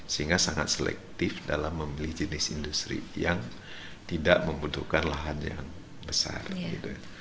sehingga sangat selektif dalam memilih jenis industri yang tidak membutuhkan lahan yang besar gitu ya